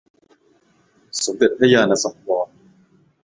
สมเด็จพระญาณสังวร